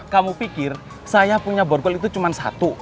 kamu pikir saya punya borgol itu cuma satu